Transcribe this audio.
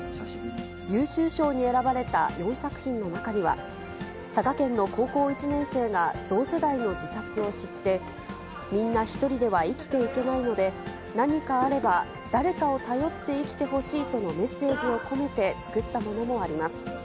優秀賞に選ばれた４作品の中には、佐賀県の高校１年生が同世代の自殺を知って、みんな１人では生きていけないので、何かあれば誰かを頼って生きてほしいとのメッセージを込めて作ったものもあります。